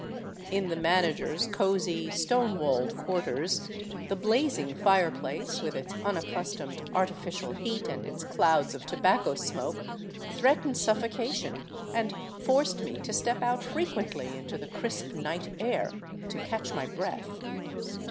In the manager's cozy, 332 ROUND ABOUT THE PERUVIAN CAPITAL stone walled quarters the blazing fireplace, with its unaccustomed arti ficial heat and its clouds of tobacco smoke, threatened suffocation and forced me to step out frequently into the crisp, night air to catch my breath.